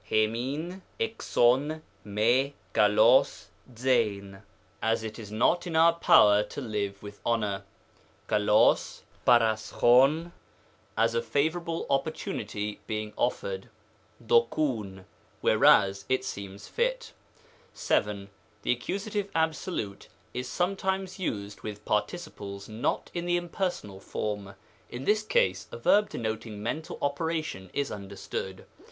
rifilv eSov firj xakoiq ^ijvy " as it is not in our power to live with honor ;" ^aXdig naqacxov^ " a favorable op portunity being offered ;" boxovv, " whereas it seems fit." T. Tlie Accus. absolute is sometimes used with par ticiples not in the impersonal form. In this case, a verb denoting mental operation is understood.